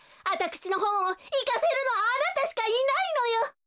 あたくしのほんをいかせるのはあなたしかいないのよ！